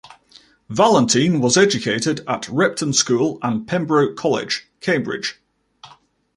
Valentine was educated at Repton School and Pembroke College, Cambridge.